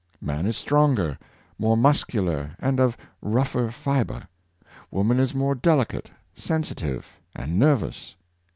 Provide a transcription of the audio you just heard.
Man is stronger, more muscular, and of rougher fiber; woman is more delicate, sensitive and nervous.